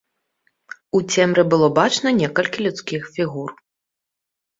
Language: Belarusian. У цемры было бачна некалькі людскіх фігур.